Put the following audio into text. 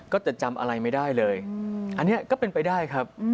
ก็จะจำอะไรไม่ได้เลยอันนี้ก็เป็นไปได้ครับ